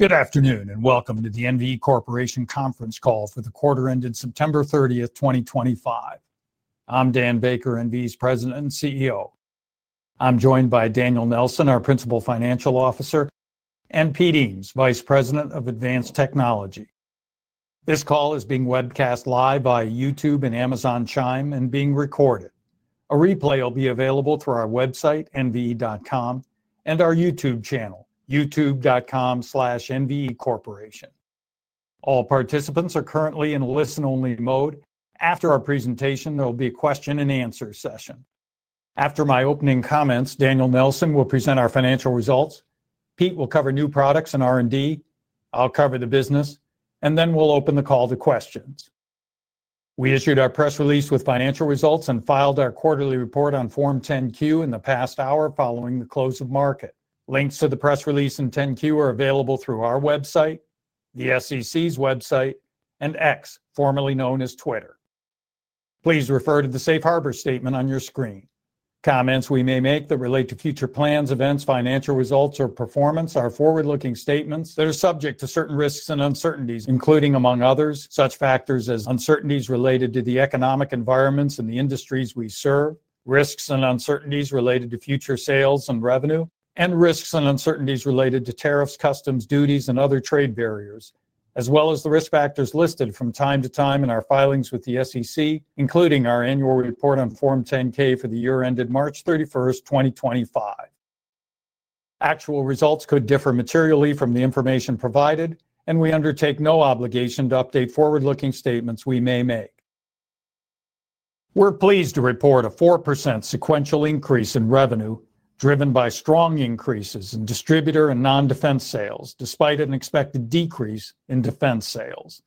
Good afternoon and welcome to the NVE Corporation conference call for the quarter ended September 30, 2025. I'm Dan Baker, NVE's President and CEO. I'm joined by Daniel Nelson, our Principal Financial Officer, and Pete Eames, Vice President of Advanced Technology. This call is being webcast live via YouTube and Amazon Chime and being recorded. A replay will be available through our website, nve.com, and our YouTube channel, youtube.com/nvecorporation. All participants are currently in listen-only mode. After our presentation, there will be a question and answer session. After my opening comments, Daniel Nelson will present our financial results. Pete will cover new products and R&D. I'll cover the business, and then we'll open the call to questions. We issued our press release with financial results and filed our quarterly report on Form 10-Q in the past hour following the close of market. Links to the press release and 10-Q are available through our website, the SEC's website, and X, formerly known as Twitter. Please refer to the safe harbor statement on your screen. Comments we may make that relate to future plans, events, financial results, or performance are forward-looking statements that are subject to certain risks and uncertainties, including, among others, such factors as uncertainties related to the economic environments and the industries we serve, risks and uncertainties related to future sales and revenue, and risks and uncertainties related to tariffs, customs, duties, and other trade barriers, as well as the risk factors listed from time to time in our filings with the SEC, including our annual report on Form 10-K for the year ended March 31, 2025. Actual results could differ materially from the information provided, and we undertake no obligation to update forward-looking statements we may make. We're pleased to report a 4% sequential increase in revenue, driven by strong increases in distributor and non-defense sales, despite an expected decrease in defense sales.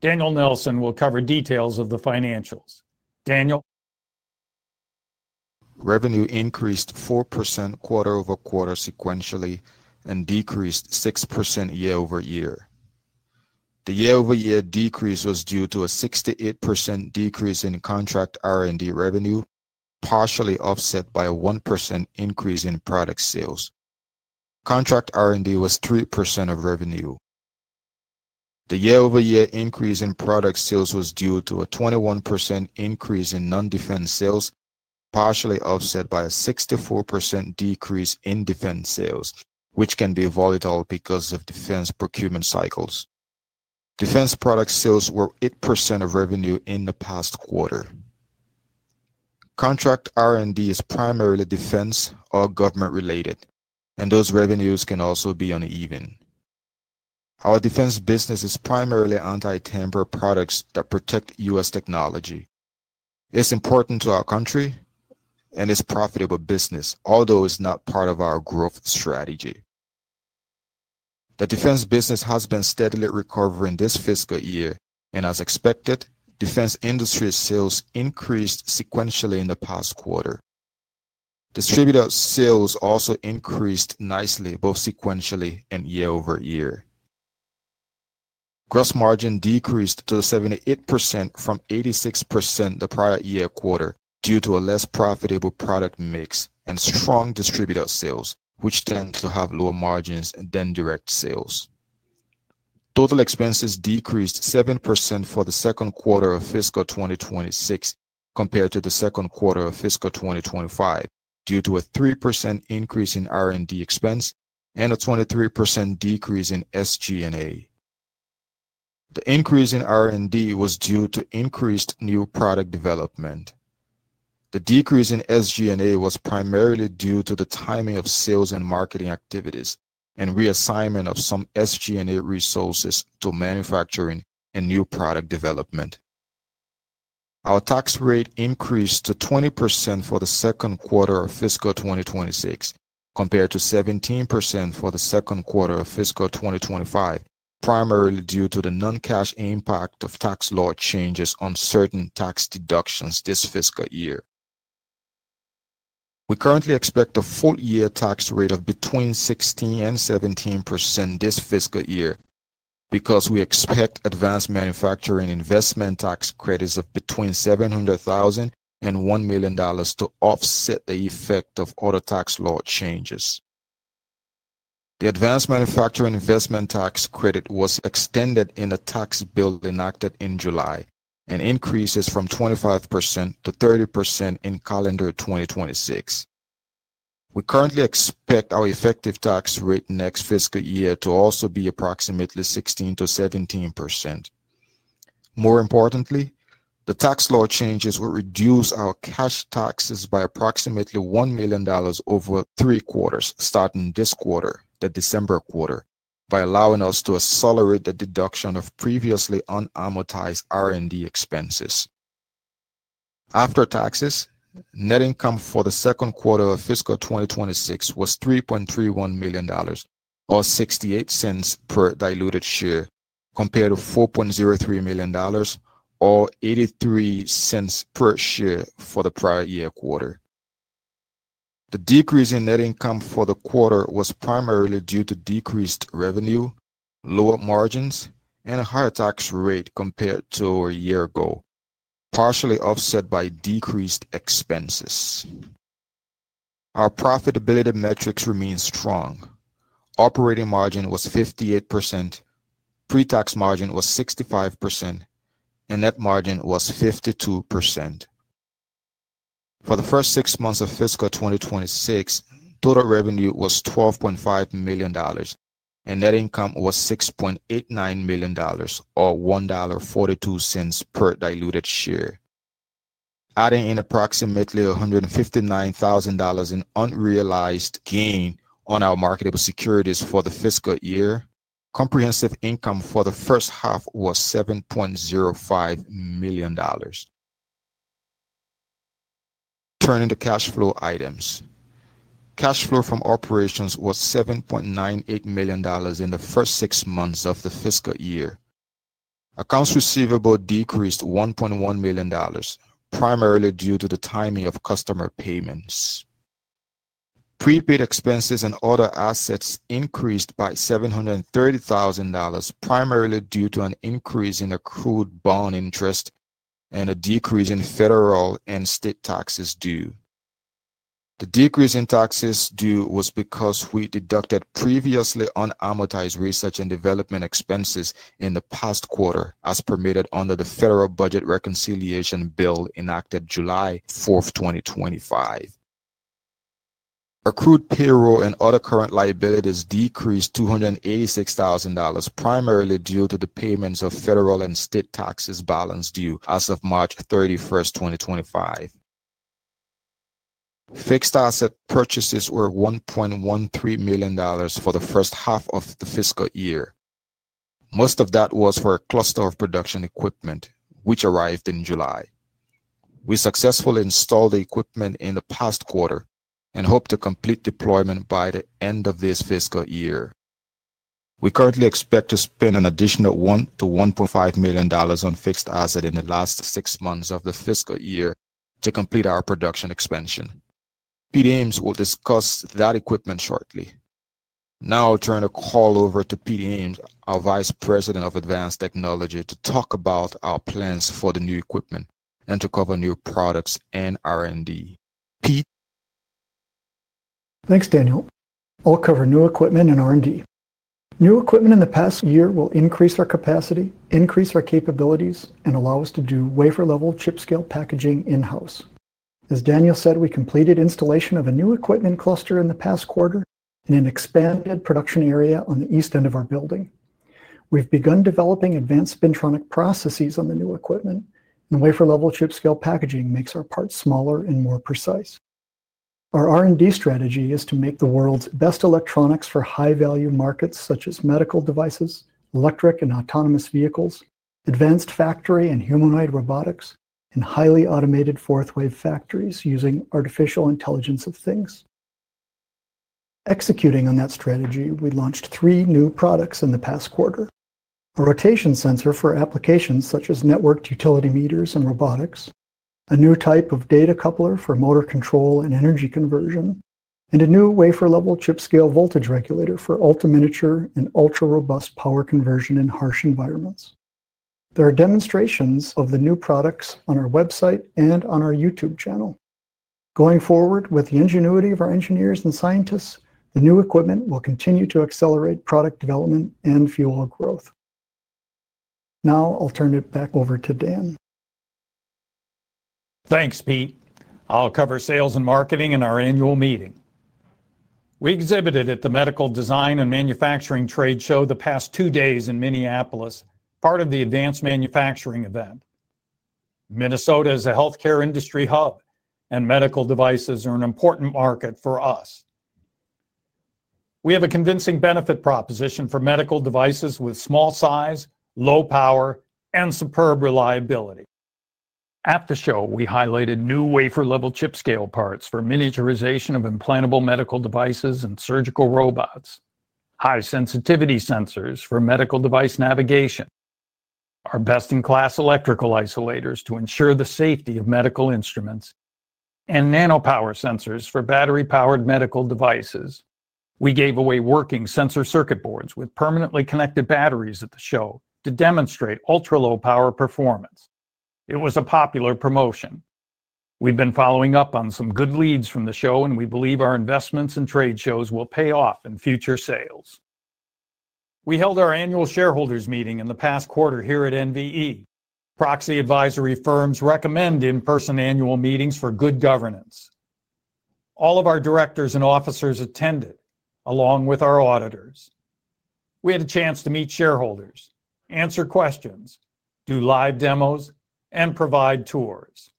Daniel Nelson will cover details of the financials. Daniel? Revenue increased 4% quarter over quarter sequentially and decreased 6% year-over-year. The year-over-year decrease was due to a 68% decrease in contract R&D revenue, partially offset by a 1% increase in product sales. Contract R&D was 3% of revenue. The year-over-year increase in product sales was due to a 21% increase in non-defense sales, partially offset by a 64% decrease in defense sales, which can be volatile because of defense procurement cycles. Defense product sales were 8% of revenue in the past quarter. Contract R&D is primarily defense or government-related, and those revenues can also be uneven. Our defense business is primarily anti-tamper products that protect U.S. technology. It's important to our country and is a profitable business, although it's not part of our growth strategy. The defense business has been steadily recovering this fiscal year, and as expected, defense industry sales increased sequentially in the past quarter. Distributor sales also increased nicely, both sequentially and year-over-year. Gross margin decreased to 78% from 86% the prior year quarter due to a less profitable product mix and strong distributor sales, which tend to have lower margins than direct sales. Total expenses decreased 7% for the second quarter of fiscal 2026 compared to the second quarter of fiscal 2025 due to a 3% increase in R&D expense and a 23% decrease in SG&A. The increase in R&D was due to increased new product development. The decrease in SG&A was primarily due to the timing of sales and marketing activities and reassignment of some SG&A resources to manufacturing and new product development. Our tax rate increased to 20% for the second quarter of fiscal 2026 compared to 17% for the second quarter of fiscal 2025, primarily due to the non-cash impact of tax law changes on certain tax deductions this fiscal year. We currently expect a full-year tax rate of between 16% and 17% this fiscal year because we expect advanced manufacturing investment tax credits of between $700,000 and $1 million to offset the effect of other tax law changes. The advanced manufacturing investment tax credit was extended in the Tax Bill enacted in July and increases from 25% to 30% in calendar 2026. We currently expect our effective tax rate next fiscal year to also be approximately 16%-17%. More importantly, the tax law changes will reduce our cash taxes by approximately $1 million over three quarters, starting this quarter, the December quarter, by allowing us to accelerate the deduction of previously unamortized R&D expenses. After taxes, net income for the second quarter of fiscal 2026 was $3.31 million or $0.68 per diluted share compared to $4.03 million or $0.83 per share for the prior year quarter. The decrease in net income for the quarter was primarily due to decreased revenue, lower margins, and a higher tax rate compared to a year ago, partially offset by decreased expenses. Our profitability metrics remain strong. Operating margin was 58%, pre-tax margin was 65%, and net margin was 52%. For the first six months of fiscal 2026, total revenue was $12.5 million and net income was $6.89 million or $1.42 per diluted share. Adding in approximately $159,000 in unrealized gain on our marketable securities for the fiscal year, comprehensive income for the first half was $7.05 million. Turning to cash flow items, cash flow from operations was $7.98 million in the first six months of the fiscal year. Accounts receivable decreased $1.1 million, primarily due to the timing of customer payments. Prepaid expenses and other assets increased by $730,000, primarily due to an increase in accrued bond interest and a decrease in federal and state taxes due. The decrease in taxes due was because we deducted previously unamortized research and development expenses in the past quarter as permitted under the Federal Budget Reconciliation Bill enacted July 4, 2025. Accrued payroll and other current liabilities decreased $286,000, primarily due to the payments of federal and state taxes balance due as of March 31, 2025. Fixed asset purchases were $1.13 million for the first half of the fiscal year. Most of that was for a cluster of production equipment, which arrived in July. We successfully installed the equipment in the past quarter and hope to complete deployment by the end of this fiscal year. We currently expect to spend an additional $1 million-$1.5 million on fixed asset in the last six months of the fiscal year to complete our production expansion. Pete Eames will discuss that equipment shortly. Now I'll turn the call over to Pete Eames, our Vice President of Advanced Technology, to talk about our plans for the new equipment and to cover new products and R&D. Pete. Thanks, Daniel. I'll cover new equipment and R&D. New equipment in the past year will increase our capacity, increase our capabilities, and allow us to do wafer-level chip-scale packaging in-house. As Daniel said, we completed installation of a new equipment cluster in the past quarter in an expanded production area on the east end of our building. We've begun developing advanced spintronic processes on the new equipment, and wafer-level chip-scale packaging makes our parts smaller and more precise. Our R&D strategy is to make the world's best electronics for high-value markets such as medical devices, electric and autonomous vehicles, advanced factory and humanoid robotics, and highly automated fourth-wave factories using artificial intelligence of things. Executing on that strategy, we launched three new products in the past quarter: a rotation sensor for applications such as networked utility meters and robotics, a new type of data coupler for motor control and energy conversion, and a new wafer-level chip-scale voltage regulator for ultra-miniature and ultra-robust power conversion in harsh environments. There are demonstrations of the new products on our website and on our YouTube channel. Going forward, with the ingenuity of our engineers and scientists, the new equipment will continue to accelerate product development and fuel growth. Now I'll turn it back over to Dan. Thanks, Pete. I'll cover sales and marketing in our annual meeting. We exhibited at the Medical Design and Manufacturing Trade Show the past two days in Minneapolis, part of the Advanced Manufacturing Event. Minnesota is a healthcare industry hub, and medical devices are an important market for us. We have a convincing benefit proposition for medical devices with small size, low power, and superb reliability. At the show, we highlighted new wafer-level chip-scale parts for miniaturization of implantable medical devices and surgical robots, high-sensitivity sensors for medical device navigation, our best-in-class electrical isolators to ensure the safety of medical instruments, and nanopower sensors for battery-powered medical devices. We gave away working sensor circuit boards with permanently connected batteries at the show to demonstrate ultra-low power performance. It was a popular promotion. We've been following up on some good leads from the show, and we believe our investments in trade shows will pay off in future sales. We held our annual shareholders' meeting in the past quarter here at NVE. Proxy advisory firms recommend in-person annual meetings for good governance. All of our directors and officers attended, along with our auditors. We had a chance to meet shareholders, answer questions, do live demos, and provide tours.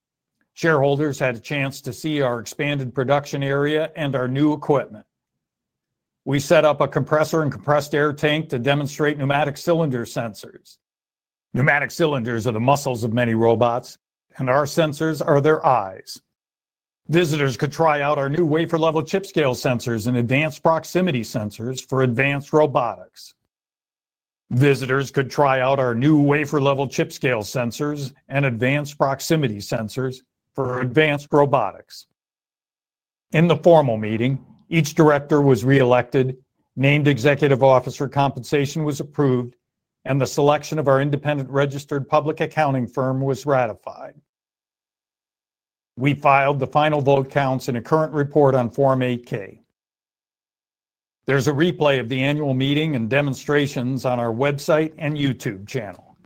Shareholders had a chance to see our expanded production area and our new equipment. We set up a compressor and compressed air tank to demonstrate pneumatic cylinder sensors. Pneumatic cylinders are the muscles of many robots, and our sensors are their eyes. Visitors could try out our new wafer-level chip-scale sensors and advanced proximity sensors for advanced robotics. In the formal meeting, each director was reelected, named executive officer compensation was approved, and the selection of our independent registered public accounting firm was ratified. We filed the final vote counts in a current report on Form 8-K. There's a replay of the annual meeting and demonstrations on our website and YouTube channel.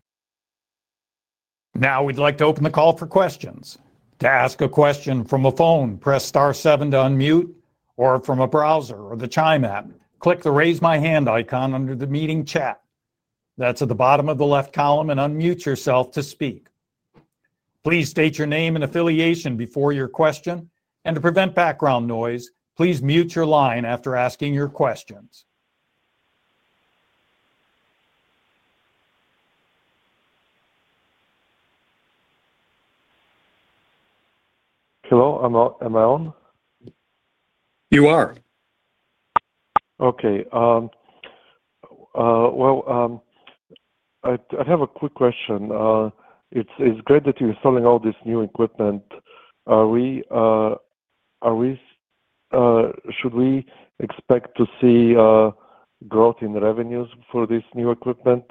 Now we'd like to open the call for questions. To ask a question from a phone, press star seven to unmute, or from a browser or the Chime app, click the Raise My Hand icon under the meeting chat. That's at the bottom of the left column and unmute yourself to speak. Please state your name and affiliation before your question, and to prevent background noise, please mute your line after asking your questions. Hello, am I on? You are. Okay, I have a quick question. It's great that you're selling all this new equipment. Are we, should we expect to see growth in revenues for this new equipment,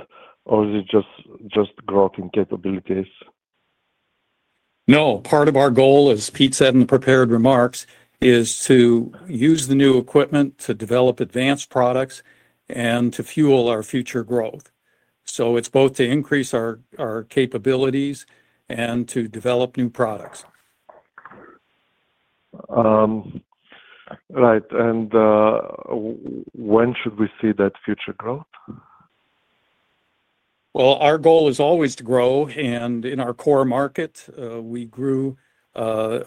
or is it just growth in capabilities? No. Part of our goal, as Pete said in the prepared remarks, is to use the new equipment to develop advanced products and to fuel our future growth. It is both to increase our capabilities and to develop new products. Right. When should we see that future growth? Our goal is always to grow, and in our core market, we grew.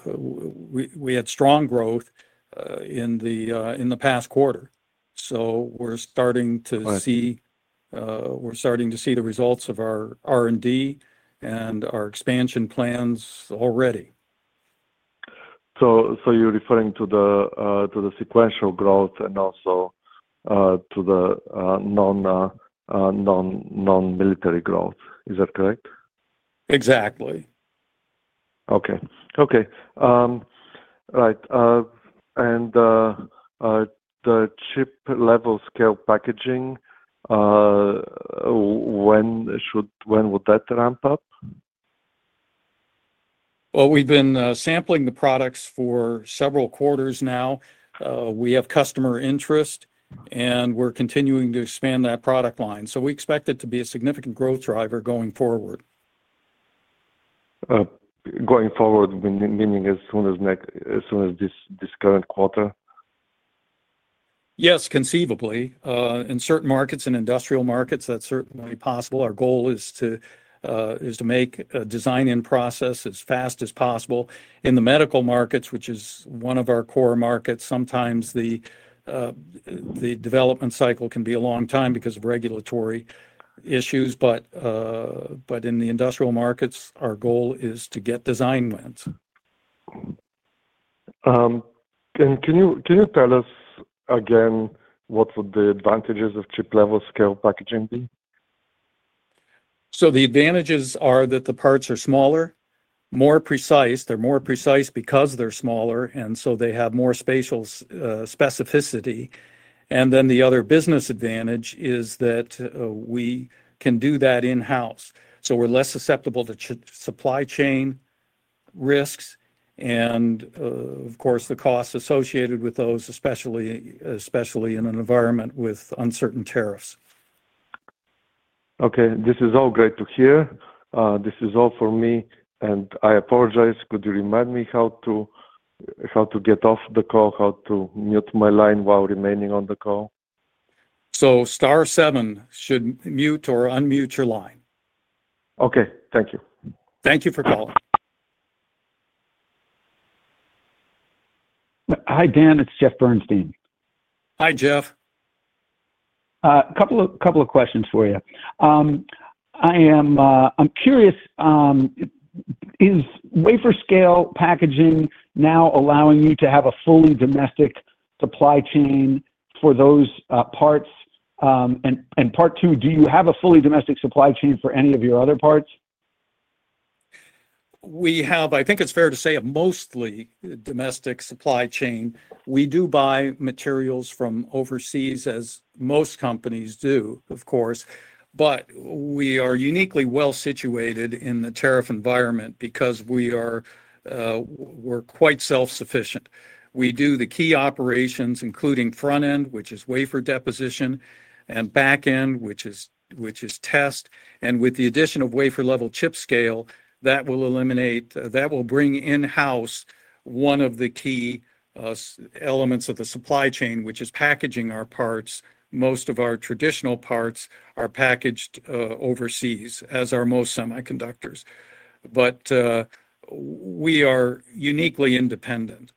We had strong growth in the past quarter. We're starting to see the results of our R&D and our expansion plans already. You're referring to the sequential growth and also to the non-military growth. Is that correct? Exactly. Okay. Right. The chip-scale packaging, when should, when would that ramp up? We have been sampling the products for several quarters now. We have customer interest, and we're continuing to expand that product line. We expect it to be a significant growth driver going forward. Going forward, meaning as soon as this current quarter? Yes, conceivably. In certain markets and industrial markets, that's certainly possible. Our goal is to make a design-in process as fast as possible. In the medical markets, which is one of our core markets, sometimes the development cycle can be a long time because of regulatory issues. In the industrial markets, our goal is to get design wins. Can you tell us again what would the advantages of chip-scale packaging be? The advantages are that the parts are smaller, more precise. They're more precise because they're smaller, and so they have more spatial specificity. The other business advantage is that we can do that in-house, so we're less susceptible to supply chain risks and, of course, the costs associated with those, especially in an environment with uncertain tariffs. Okay. This is all great to hear. This is all for me, and I apologize. Could you remind me how to get off the call, how to mute my line while remaining on the call? Star seven should mute or unmute your line. Okay, thank you. Thank you for calling. Hi, Dan. It's Jeff Berkes. Hi, Jeff. A couple of questions for you. I'm curious, is wafer-level chip-scale packaging now allowing you to have a fully domestic supply chain for those parts? Part two, do you have a fully domestic supply chain for any of your other parts? We have, I think it's fair to say, a mostly domestic supply chain. We do buy materials from overseas, as most companies do, of course. We are uniquely well situated in the tariff environment because we're quite self-sufficient. We do the key operations, including front-end, which is wafer deposition, and back-end, which is test. With the addition of wafer-level chip-scale, that will bring in-house one of the key elements of the supply chain, which is packaging our parts. Most of our traditional parts are packaged overseas, as are most semiconductors. We are uniquely independent.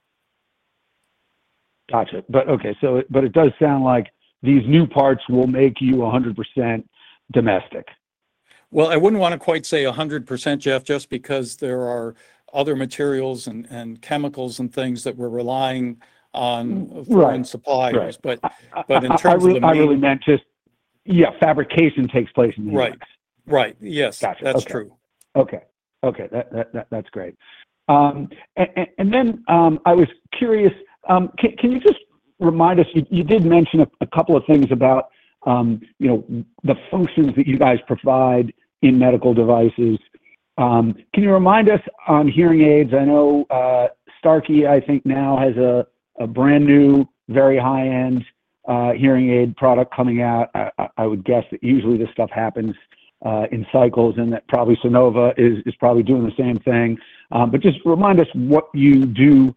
Gotcha. Okay. It does sound like these new parts will make you 100% domestic. I wouldn't want to quite say 100%, Jeff, just because there are other materials and chemicals and things that we're relying on for in supplies. Right. Right. In terms of the. I really meant just, yeah, fabrication takes place in the U.S. Right. Yes. Gotcha. That's true. Okay. That's great. I was curious, can you just remind us, you did mention a couple of things about the functions that you guys provide in medical devices. Can you remind us on hearing aids? I know Starkey, I think, now has a brand new, very high-end hearing aid product coming out. I would guess that usually this stuff happens in cycles, and that probably Sonova is probably doing the same thing. Just remind us what you do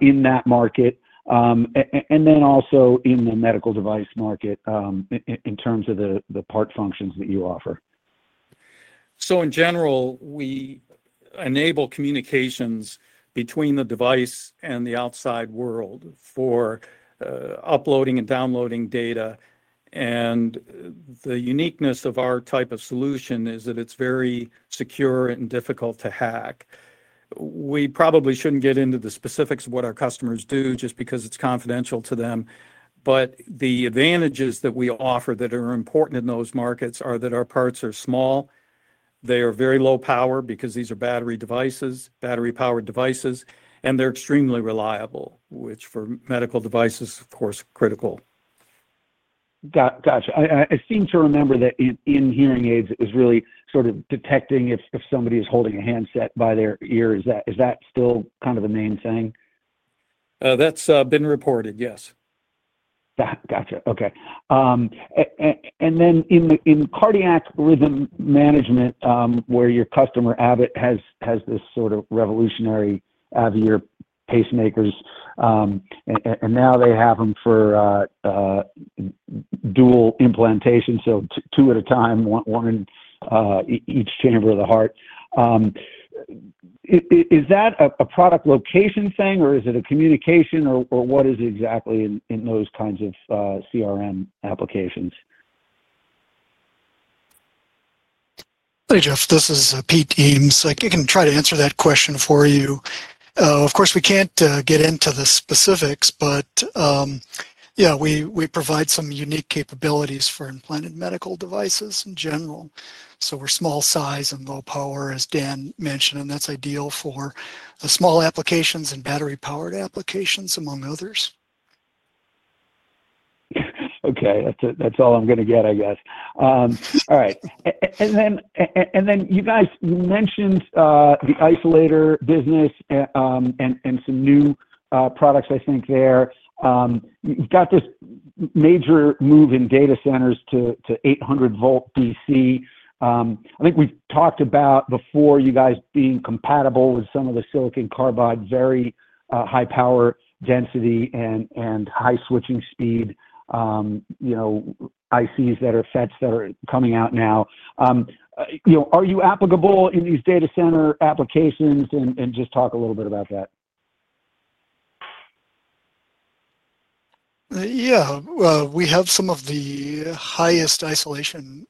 in that market, and also in the medical device market in terms of the part functions that you offer. In general, we enable communications between the device and the outside world for uploading and downloading data. The uniqueness of our type of solution is that it's very secure and difficult to hack. We probably shouldn't get into the specifics of what our customers do just because it's confidential to them. The advantages that we offer that are important in those markets are that our parts are small, they are very low power because these are battery-powered devices, and they're extremely reliable, which for medical devices, of course, is critical. Gotcha. I seem to remember that in hearing aids, it was really sort of detecting if somebody is holding a handset by their ear. Is that still kind of the main thing? That's been reported, yes. Got you. Okay. In cardiac rhythm management, where your customer, Abbott, has this sort of revolutionary AVEIR pacemakers, and now they have them for dual implantation, two at a time, one in each chamber of the heart, is that a product location thing, or is it a communication, or what is it exactly in those kinds of CRM applications? Hey, Jeff. This is Pete Eames. I can try to answer that question for you. Of course, we can't get into the specifics, but yeah, we provide some unique capabilities for implanted medical devices in general. We're small size and low power, as Dan mentioned, and that's ideal for small applications and battery-powered applications, among others. Okay. That's all I'm going to get, I guess. All right. You guys mentioned the isolator business and some new products, I think, there. You've got this major move in data centers to 800 V DC. I think we've talked about before you guys being compatible with some of the silicon carbide, very high power density and high switching speed ICs that are FETs that are coming out now. Are you applicable in these data center applications? Just talk a little bit about that. We have some of the highest isolation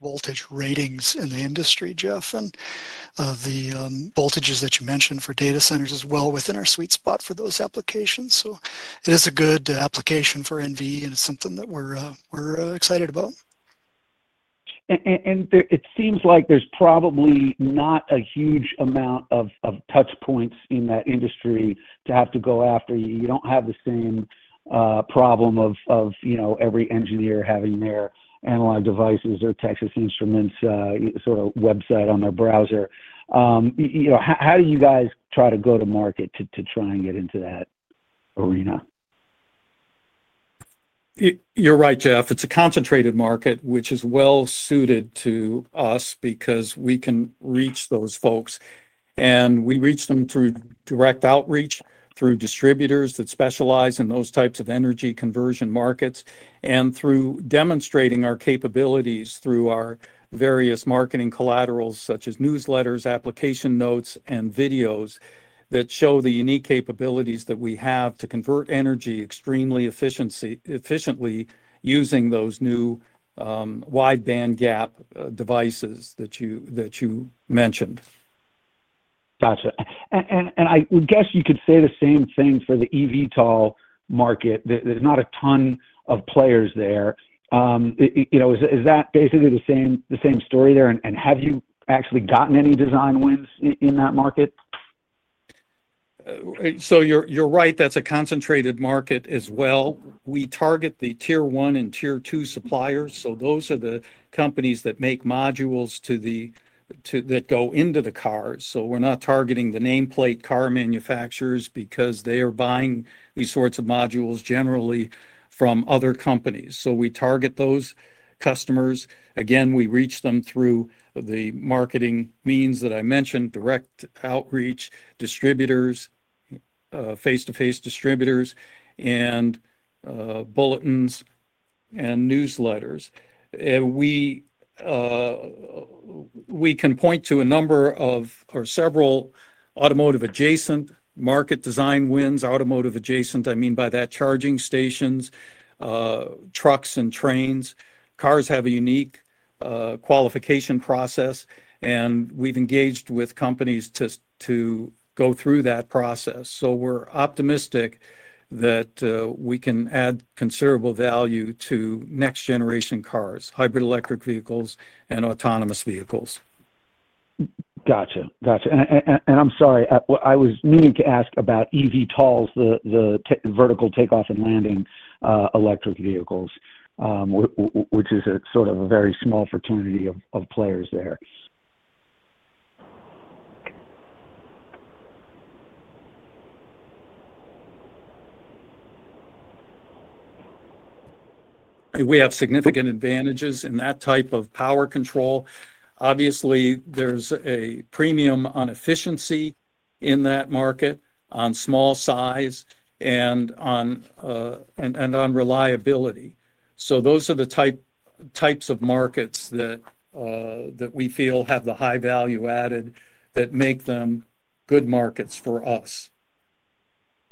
voltage ratings in the industry, Jeff, and the voltages that you mentioned for data centers are well within our sweet spot for those applications. It is a good application for NVE, and it's something that we're excited about. It seems like there's probably not a huge amount of touch points in that industry to have to go after. You don't have the same problem of every engineer having their Analog Devices or Texas Instruments sort of website on their browser. How do you guys try to go to market to try and get into that arena? You're right, Jeff. It's a concentrated market, which is well suited to us because we can reach those folks. We reach them through direct outreach, through distributors that specialize in those types of energy conversion markets, and through demonstrating our capabilities through our various marketing collaterals, such as newsletters, application notes, and videos that show the unique capabilities that we have to convert energy extremely efficiently using those new wide band gap devices that you mentioned. Gotcha. I would guess you could say the same thing for the eVTOL market. There's not a ton of players there. Is that basically the same story there? Have you actually gotten any design wins in that market? You're right. That's a concentrated market as well. We target the tier one and tier two suppliers. Those are the companies that make modules that go into the cars. We're not targeting the nameplate car manufacturers because they are buying these sorts of modules generally from other companies. We target those customers. We reach them through the marketing means that I mentioned: direct outreach, distributors, face-to-face distributors, and bulletins and newsletters. We can point to a number of or several automotive-adjacent market design wins. Automotive-adjacent, I mean by that, charging stations, trucks, and trains. Cars have a unique qualification process, and we've engaged with companies to go through that process. We're optimistic that we can add considerable value to next-generation cars, hybrid electric vehicles, and autonomous vehicles. Gotcha. I'm sorry, I was meaning to ask about eVTOLs, the vertical takeoff and landing electric vehicles, which is sort of a very small fraternity of players there. We have significant advantages in that type of power control. Obviously, there's a premium on efficiency in that market, on small size, and on reliability. Those are the types of markets that we feel have the high value added that make them good markets for us.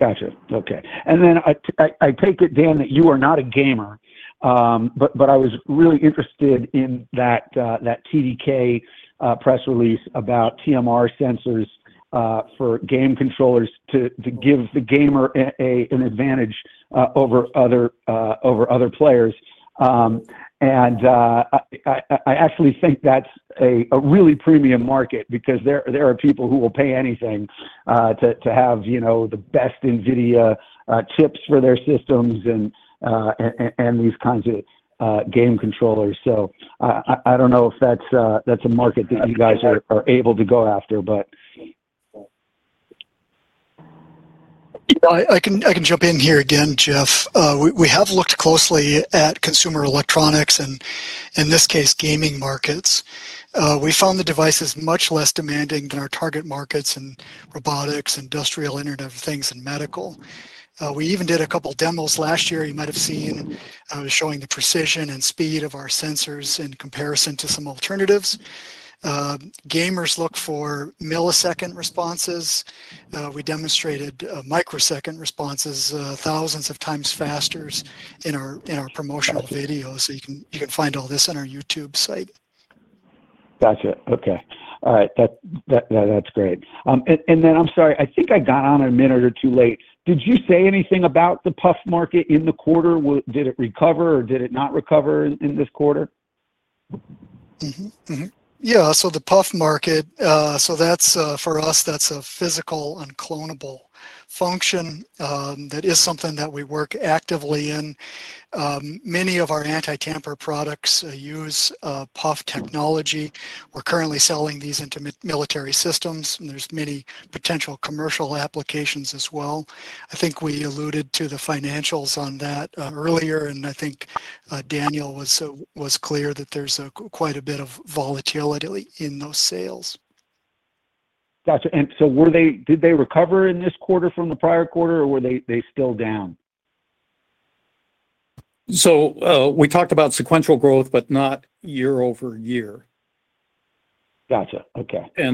Gotcha. Okay. I take it, Dan, that you are not a gamer, but I was really interested in that TDK press release about TMR sensors for game controllers to give the gamer an advantage over other players. I actually think that's a really premium market because there are people who will pay anything to have, you know, the best NVIDIA chips for their systems and these kinds of game controllers. I don't know if that's a market that you guys are able to go after, but. I can jump in here again, Jeff. We have looked closely at consumer electronics and, in this case, gaming markets. We found the devices much less demanding than our target markets in robotics, industrial Internet of Things, and medical. We even did a couple of demos last year. You might have seen showing the precision and speed of our sensors in comparison to some alternatives. Gamers look for millisecond responses. We demonstrated microsecond responses, thousands of times faster in our promotional videos. You can find all this on our YouTube site. Okay. All right. That's great. I'm sorry, I think I got on a minute or two late. Did you say anything about the PUF market in the quarter? Did it recover or did it not recover in this quarter? Yeah. The PUF market, for us, that's a physical unclonable function. That is something that we work actively in. Many of our anti-tamper products use PUF technology. We're currently selling these into military systems. There's many potential commercial applications as well. I think we alluded to the financials on that earlier, and I think Daniel was clear that there's quite a bit of volatility in those sales. Did they recover in this quarter from the prior quarter, or were they still down? We talked about sequential growth, but not year-over-year. Gotcha. Okay. As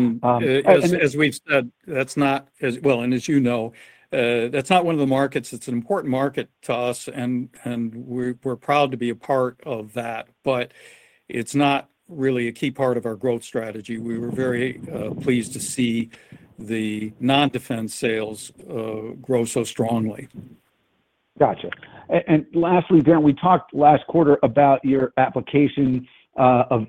you know, that's not one of the markets. It's an important market to us, and we're proud to be a part of that. It's not really a key part of our growth strategy. We were very pleased to see the non-defense sales grow so strongly. Gotcha. Lastly, Dan, we talked last quarter about your application of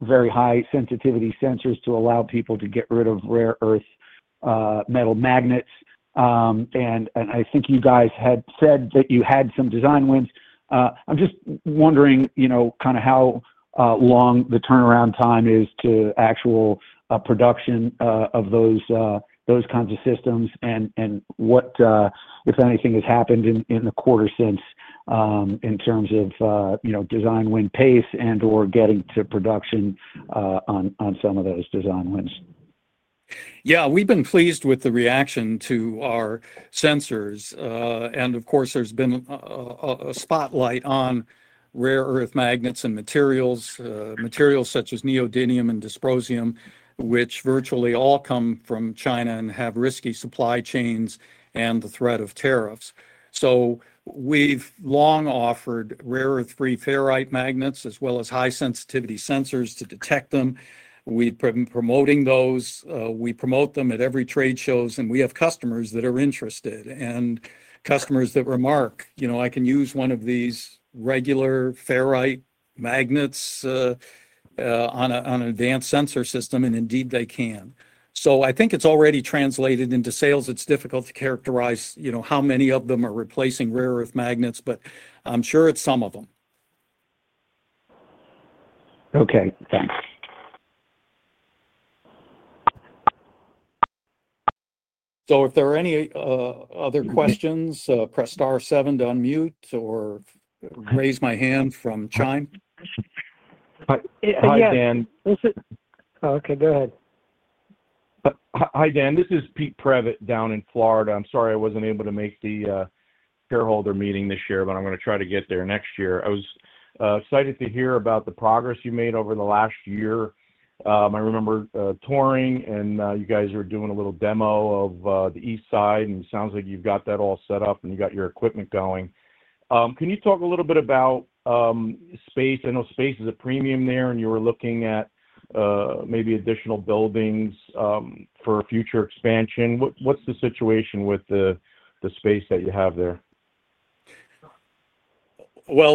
very high sensitivity sensors to allow people to get rid of rare earth metal magnets. I think you guys had said that you had some design wins. I'm just wondering how long the turnaround time is to actual production of those kinds of systems and what, if anything, has happened in the quarter since in terms of design win pace and/or getting to production on some of those design wins. We've been pleased with the reaction to our sensors. Of course, there's been a spotlight on rare earth magnets and materials, materials such as neodymium and dysprosium, which virtually all come from China and have risky supply chains and the threat of tariffs. We've long offered rare earth-free ferrite magnets as well as high-sensitivity sensors to detect them. We've been promoting those. We promote them at every trade show, and we have customers that are interested and customers that remark, you know, I can use one of these regular ferrite magnets on an advanced sensor system, and indeed they can. I think it's already translated into sales. It's difficult to characterize, you know, how many of them are replacing rare earth magnets, but I'm sure it's some of them. Okay. Thanks. If there are any other questions, press star seven to unmute or raise my hand from Chime. Hi, Dan. Oh, okay. Go ahead. Hi, Dan. This is Pete down in Florida. I'm sorry I wasn't able to make the shareholder meeting this year, but I'm going to try to get there next year. I was excited to hear about the progress you made over the last year. I remember touring, and you guys were doing a little demo of the east side, and it sounds like you've got that all set up and you got your equipment going. Can you talk a little bit about space? I know space is a premium there, and you were looking at maybe additional buildings for future expansion. What's the situation with the space that you have there?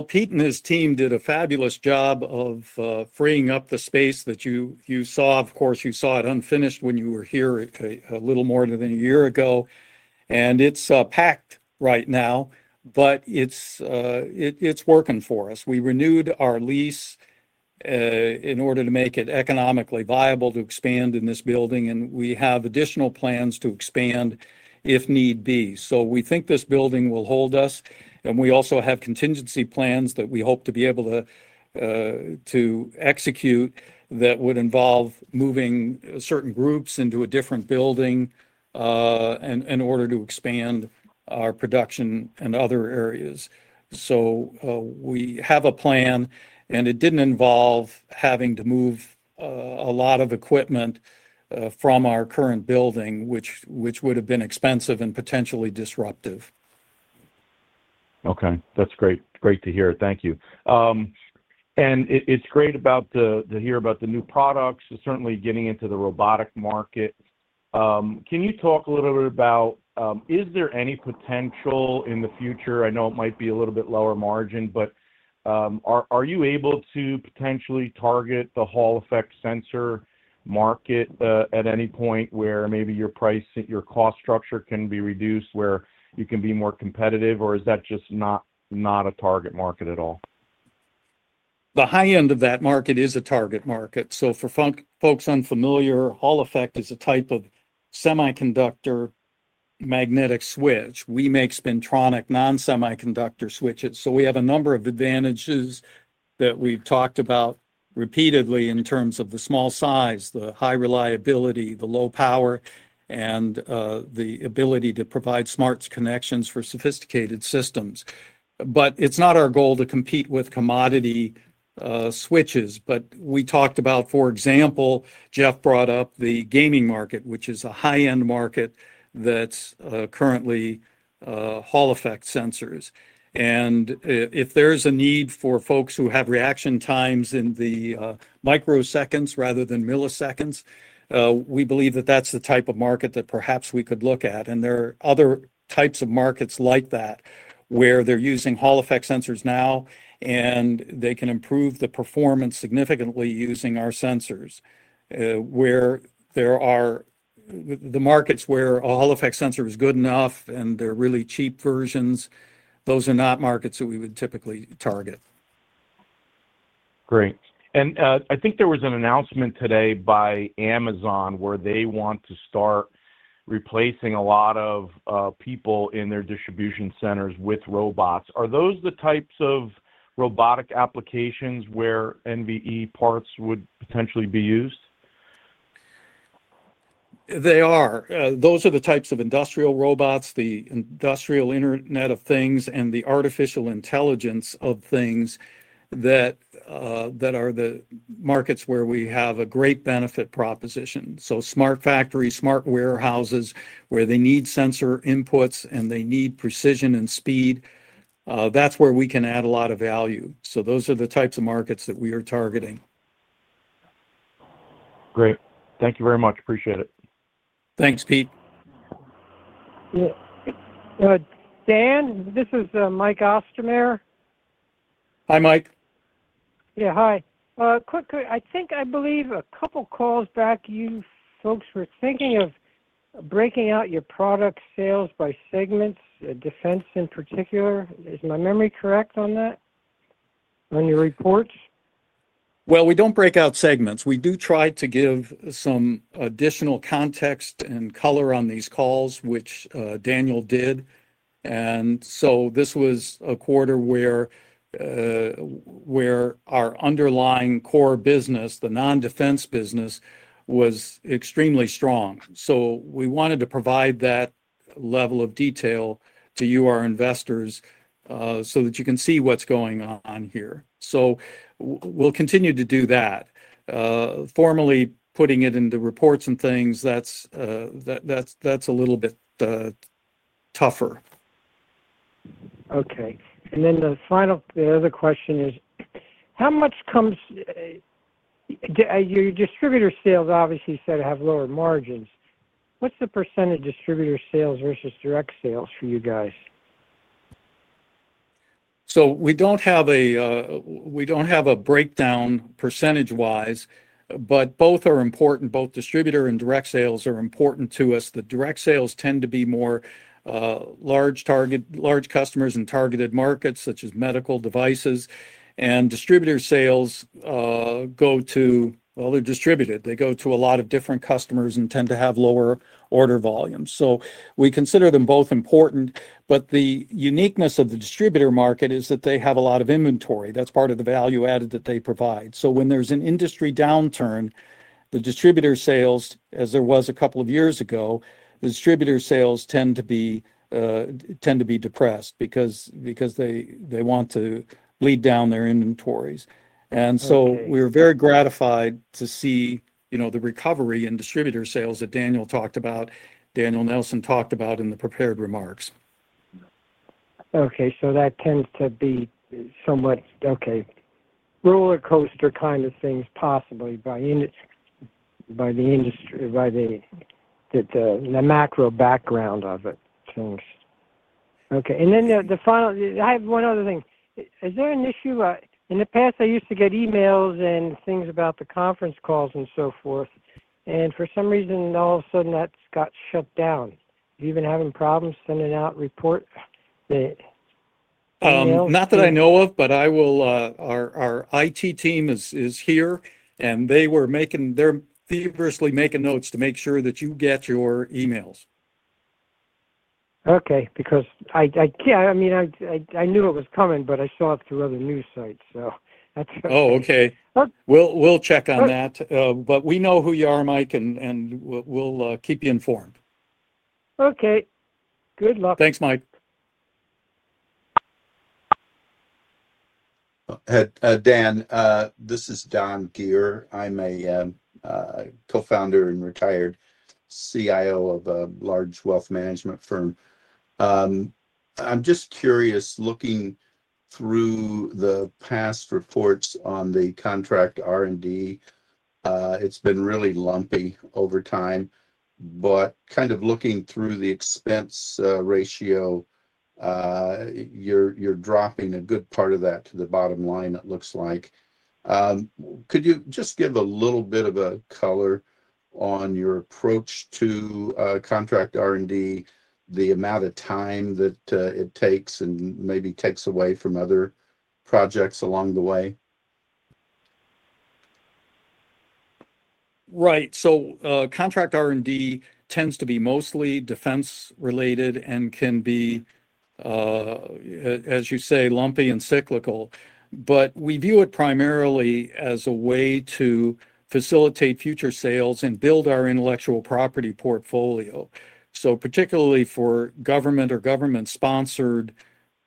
Pete and his team did a fabulous job of freeing up the space that you saw. Of course, you saw it unfinished when you were here a little more than a year ago. It's packed right now, but it's working for us. We renewed our lease in order to make it economically viable to expand in this building, and we have additional plans to expand if need be. We think this building will hold us, and we also have contingency plans that we hope to be able to execute that would involve moving certain groups into a different building in order to expand our production in other areas. We have a plan, and it didn't involve having to move a lot of equipment from our current building, which would have been expensive and potentially disruptive. Okay. That's great. Great to hear. Thank you. It's great to hear about the new products, certainly getting into the robotic market. Can you talk a little bit about, is there any potential in the future? I know it might be a little bit lower margin, but are you able to potentially target the Hall Effect sensor market at any point where maybe your price, your cost structure can be reduced, where you can be more competitive, or is that just not a target market at all? The high end of that market is a target market. For folks unfamiliar, Hall Effect is a type of semiconductor magnetic switch. We make spintronic non-semiconductor switches. We have a number of advantages that we've talked about repeatedly in terms of the small size, the high reliability, the low power, and the ability to provide smart connections for sophisticated systems. It is not our goal to compete with commodity switches. For example, Jeff brought up the gaming market, which is a high-end market that's currently Hall Effect sensors. If there's a need for folks who have reaction times in the microseconds rather than milliseconds, we believe that that's the type of market that perhaps we could look at. There are other types of markets like that where they're using Hall Effect sensors now, and they can improve the performance significantly using our sensors. Where there are the markets where a Hall Effect sensor is good enough and they're really cheap versions, those are not markets that we would typically target. Great. I think there was an announcement today by Amazon where they want to start replacing a lot of people in their distribution centers with robots. Are those the types of robotic applications where NVE parts would potentially be used? They are. Those are the types of industrial robots, the industrial Internet of Things, and the Artificial Intelligence of Things that are the markets where we have a great benefit proposition. Smart factories and smart warehouses where they need sensor inputs and they need precision and speed, that's where we can add a lot of value. Those are the types of markets that we are targeting. Great. Thank you very much. Appreciate it. Thanks, Pete. Yeah. Dan, this is Mike Ostermeyer. Hi, Mike. Hi. I think a couple of calls back, you folks were thinking of breaking out your product sales by segments, defense in particular. Is my memory correct on that, on your reports? We don't break out segments. We do try to give some additional context and color on these calls, which Daniel did. This was a quarter where our underlying core business, the non-defense business, was extremely strong. We wanted to provide that level of detail to you, our investors, so that you can see what's going on here. We'll continue to do that. Formally putting it into reports and things, that's a little bit tougher. Okay. The other question is, how much comes your distributor sales obviously said have lower margins. What's the percentage distributor sales versus direct sales for you guys? We don't have a breakdown percentage wise, but both are important. Both distributor and direct sales are important to us. The direct sales tend to be more large customers and targeted markets, such as medical devices. Distributor sales go to, they're distributed. They go to a lot of different customers and tend to have lower order volumes. We consider them both important, but the uniqueness of the distributor market is that they have a lot of inventory. That's part of the value added that they provide. When there's an industry downturn, the distributor sales, as there was a couple of years ago, the distributor sales tend to be depressed because they want to lead down their inventories. We were very gratified to see the recovery in distributor sales that Daniel Nelson talked about in the prepared remarks. That tends to be somewhat a roller coaster kind of thing, possibly by the industry, by the macro background of it. I have one other thing. Is there an issue? In the past, I used to get emails and things about the conference calls and so forth. For some reason, all of a sudden, that got shut down. You're even having problems sending out report emails? Not that I know of, but our IT team is here, and they were feverishly making notes to make sure that you get your emails. Okay. I knew it was coming, but I saw it through other news sites. Okay. We'll check on that. We know who you are, Mike, and we'll keep you informed. Okay. Good luck. Thanks, Mike. Dan, this is Don Geer. I'm a co-founder and retired CIO of a large wealth management firm. I'm just curious, looking through the past reports on the contract R&D, it's been really lumpy over time. Kind of looking through the expense ratio, you're dropping a good part of that to the bottom line, it looks like. Could you just give a little bit of a color on your approach to contract R&D, the amount of time that it takes and maybe takes away from other projects along the way? Right. Contract R&D tends to be mostly defense-related and can be, as you say, lumpy and cyclical. We view it primarily as a way to facilitate future sales and build our intellectual property portfolio. Particularly for government or government-sponsored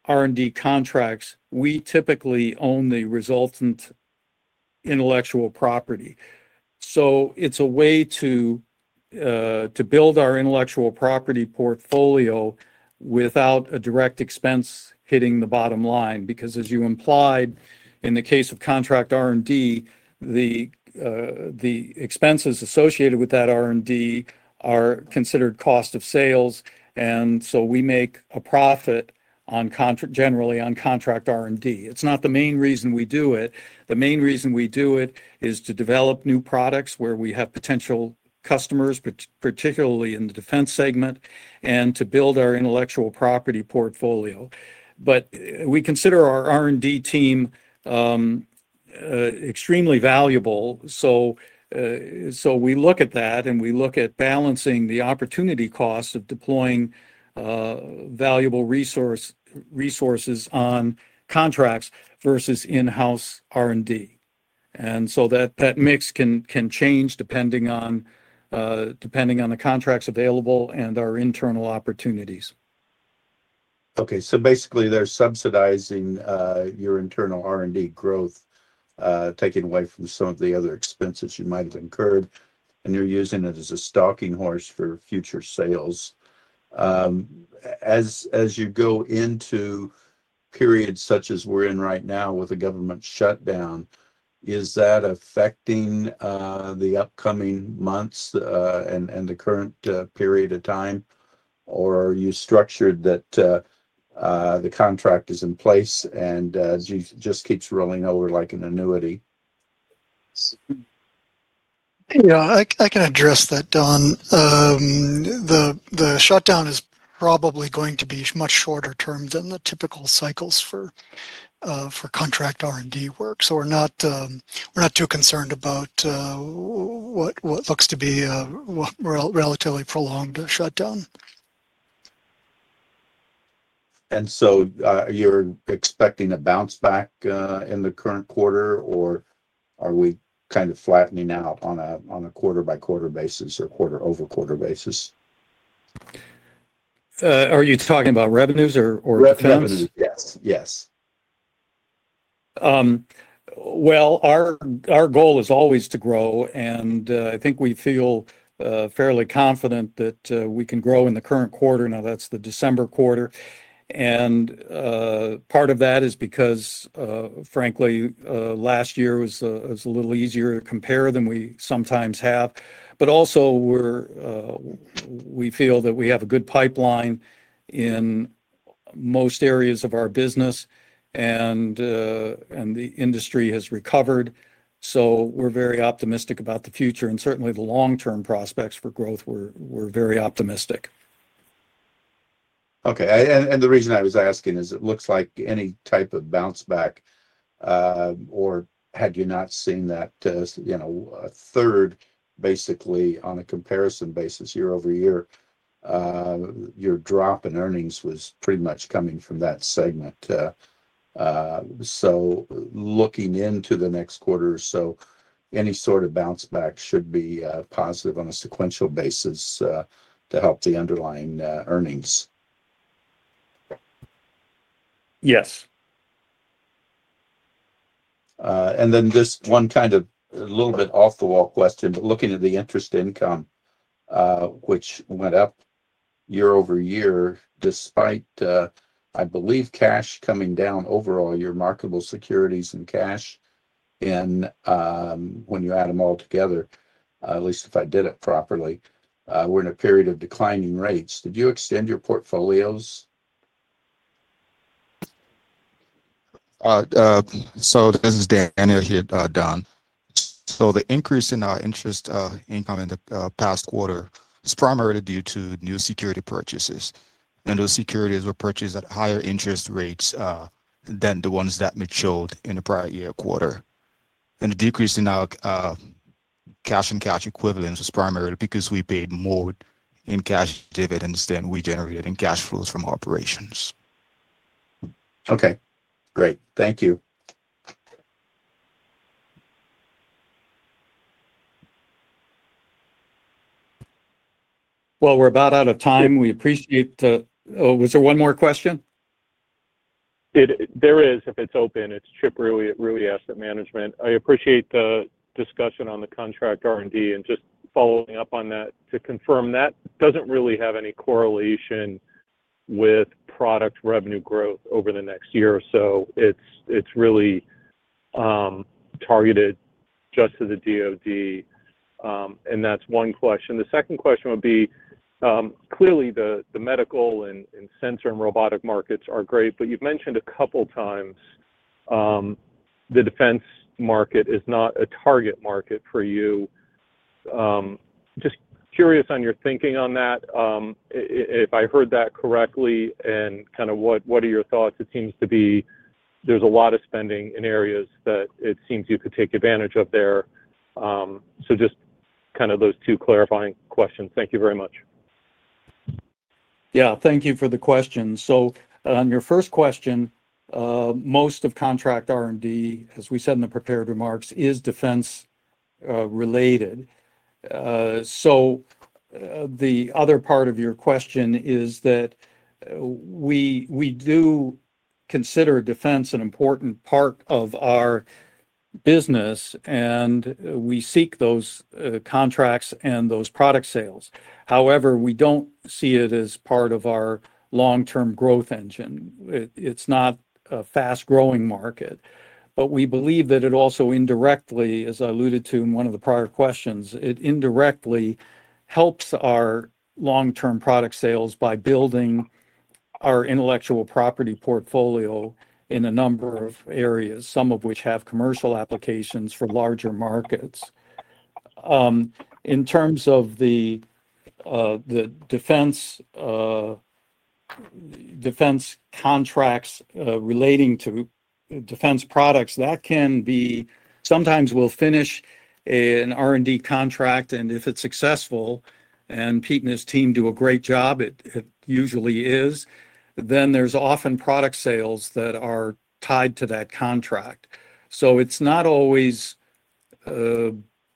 R&D contracts, we typically own the resultant intellectual property. It is a way to build our intellectual property portfolio without a direct expense hitting the bottom line. As you implied, in the case of contract R&D, the expenses associated with that R&D are considered cost of sales, and we make a profit on contract, generally on contract R&D. It's not the main reason we do it. The main reason we do it is to develop new products where we have potential customers, particularly in the defense segment, and to build our intellectual property portfolio. We consider our R&D team extremely valuable. We look at that and we look at balancing the opportunity cost of deploying valuable resources on contracts versus in-house R&D. That mix can change depending on the contracts available and our internal opportunities. Okay. Basically, they're subsidizing your internal R&D growth, taking away from some of the other expenses you might have incurred, and you're using it as a stalking horse for future sales. As you go into periods such as we're in right now with a government shutdown, is that affecting the upcoming months and the current period of time, or are you structured that the contract is in place and it just keeps rolling over like an annuity? Yeah, I can address that, Don. The shutdown is probably going to be much shorter term than the typical cycles for contract R&D work, so we're not too concerned about what looks to be a relatively prolonged shutdown. Are you expecting a bounce back in the current quarter, or are we kind of flattening out on a quarter-by-quarter basis or quarter-over-quarter basis? Are you talking about revenues or revenue? Revenues. Yes. Our goal is always to grow, and I think we feel fairly confident that we can grow in the current quarter. That's the December quarter. Part of that is because, frankly, last year was a little easier to compare than we sometimes have. We feel that we have a good pipeline in most areas of our business, and the industry has recovered. We're very optimistic about the future, and certainly the long-term prospects for growth, we're very optimistic. Okay. The reason I was asking is it looks like any type of bounce back, or had you not seen that, you know, a third, basically, on a comparison basis year-over-year, your drop in earnings was pretty much coming from that segment. Looking into the next quarter or so, any sort of bounce back should be positive on a sequential basis to help the underlying earnings. Yes. This one is kind of a little bit off-the-wall question, but looking at the interest income, which went up year over year, despite, I believe, cash coming down overall, your marketable securities and cash, and when you add them all together, at least if I did it properly, we're in a period of declining rates. Did you extend your portfolios? This is Daniel here, Don. The increase in our interest income in the past quarter is primarily due to new security purchases. Those securities were purchased at higher interest rates than the ones that Mitch showed in the prior year quarter. The decrease in our cash and cash equivalents was primarily because we paid more in cash dividends than we generated in cash flows from our operations. Okay. Great. Thank you. We're about out of time. We appreciate the—oh, was there one more question? There is, if it's open. It's Chip Ruias at management. I appreciate the discussion on the contract R&D and just following up on that to confirm that doesn't really have any correlation with product revenue growth over the next year or so. It's really targeted just to the DOD. That's one question. The second question would be, clearly, the medical and sensor and robotic markets are great, but you've mentioned a couple of times the defense market is not a target market for you. Just curious on your thinking on that. If I heard that correctly, and kind of what are your thoughts? It seems to be there's a lot of spending in areas that it seems you could take advantage of there. Just kind of those two clarifying questions. Thank you very much. Thank you for the question. On your first question, most of contract R&D, as we said in the prepared remarks, is defense related. The other part of your question is that we do consider defense an important part of our business, and we seek those contracts and those product sales. However, we don't see it as part of our long-term growth engine. It's not a fast-growing market. We believe that it also indirectly, as I alluded to in one of the prior questions, indirectly helps our long-term product sales by building our intellectual property portfolio in a number of areas, some of which have commercial applications for larger markets. In terms of the defense contracts relating to defense products, sometimes we'll finish an R&D contract, and if it's successful, and Pete and his team do a great job, it usually is, then there's often product sales that are tied to that contract. It's not always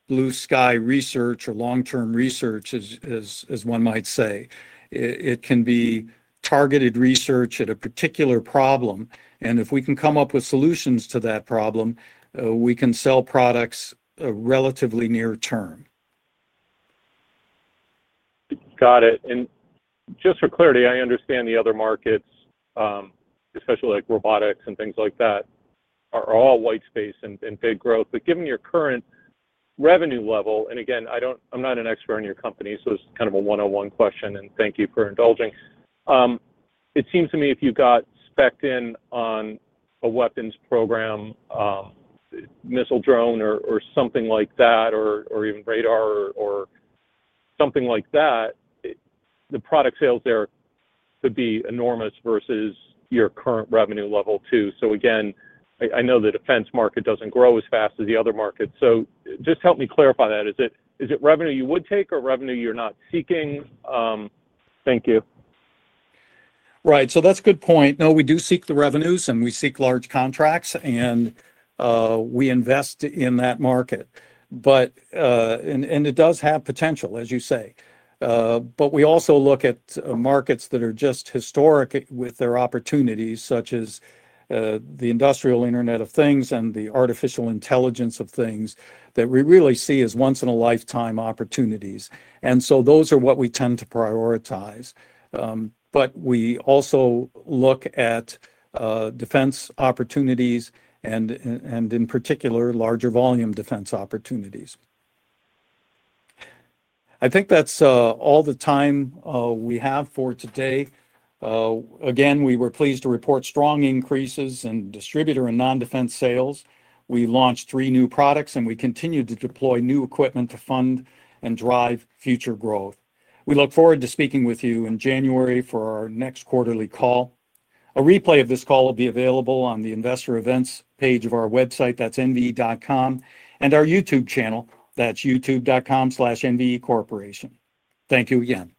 blue-sky research or long-term research, as one might say. It can be targeted research at a particular problem. If we can come up with solutions to that problem, we can sell products relatively near term. Got it. Just for clarity, I understand the other markets, especially like robotics and things like that, are all white space and big growth. Given your current revenue level, and again, I'm not an expert in your company, so it's kind of a one-on-one question, and thank you for indulging. It seems to me if you got specced in on a weapons program, missile drone, or something like that, or even radar or something like that, the product sales there could be enormous versus your current revenue level too. I know the defense market doesn't grow as fast as the other markets. Help me clarify that. Is it revenue you would take or revenue you're not seeking? Thank you. Right. That's a good point. No, we do seek the revenues, and we seek large contracts, and we invest in that market. It does have potential, as you say. We also look at markets that are just historic with their opportunities, such as the industrial Internet of Things and the artificial intelligence of things that we really see as once-in-a-lifetime opportunities. Those are what we tend to prioritize. We also look at defense opportunities, in particular, larger volume defense opportunities. I think that's all the time we have for today. Again, we were pleased to report strong increases in distributor and non-defense sales. We launched three new products, and we continue to deploy new equipment to fund and drive future growth. We look forward to speaking with you in January for our next quarterly call. A replay of this call will be available on the Investor Events page of our website, that's nve.com, and our YouTube channel, that's youtube.com/nvecorporation. Thank you again.